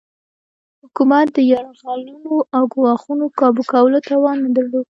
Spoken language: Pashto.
حکومت د یرغلونو او ګواښونو کابو کولو توان نه درلود.